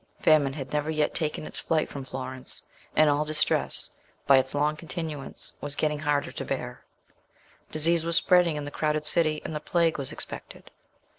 Famine had never yet taken its flight from Florence, and all distress, by its long continuance, was getting harder to bear; disease was spreading in the crowded city, and the Plague was expected.